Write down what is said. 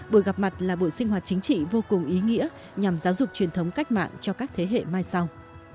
buổi gặp mặt là buổi sinh hoạt chính trị vô cùng ý nghĩa nhằm giáo dục truyền thống cách mạng cho các thế hệ mai sau